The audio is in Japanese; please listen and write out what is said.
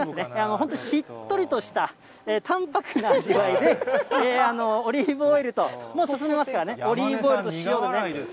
本当、しっとりとした淡白な味わいで、オリーブオイルと、もう進めますからね、オリーブオイルと塩で。